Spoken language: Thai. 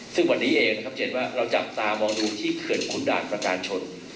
ซึ่งวันนี้เองนะครับเจนว่าเราจับตามองดูที่เขื่อนขุนด่านประการชน